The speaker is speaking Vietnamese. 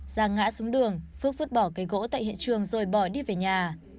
ra ngã xuống đường phước vứt bỏ cây gỗ tại hiện trường rồi bỏ đi về nhà